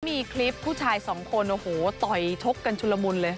มีคลิปผู้ชายสองคนโอ้โหต่อยชกกันชุลมุนเลย